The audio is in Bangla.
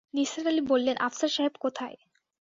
নিসার আলি বললেন, আফসার সাহেব কোথায়?